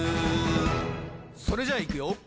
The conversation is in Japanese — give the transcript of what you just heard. それじゃいくよ